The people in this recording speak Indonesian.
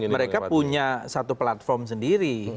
mereka punya satu platform sendiri